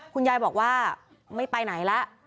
คุณยายบอกว่าไม่ไปไหนแล้ว